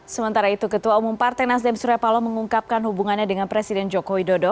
sementara itu ketua umum partai nasdem surya palo mengungkapkan hubungannya dengan presiden jokowi dodo